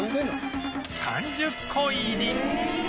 ３０個入り